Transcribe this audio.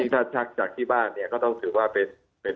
ถ้าชักจากที่บ้านเนี่ยก็ต้องถือว่าเป็น